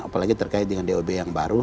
apalagi terkait dengan dob yang baru